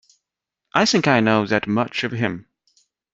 I think I know that much of him.